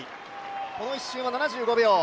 この１周も７５秒。